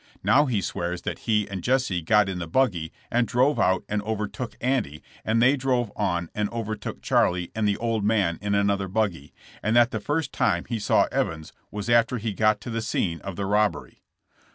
Now he swears that he and Jesse got in the buggy and drove out and overtook Andy and they drove on and overtook Charlie and the *old man' in another buggy, and that the first time he saw Evans was after he got to the scene of the robbery.